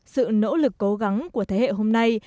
sự nỗ lực cố gắng của thế hệ hôm nay